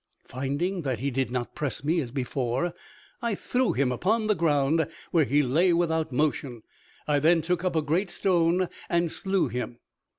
Finding that he did not press me as before, I threw him upon the ground, where he lay without motion; I then took up a great stone and slew him.